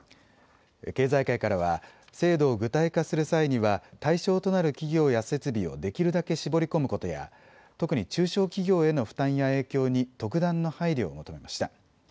経済界からは制度を具体化する際には対象となる企業や設備をできるだけ絞り込むことや特に中小企業への負担や影響に特段の配慮を求めました。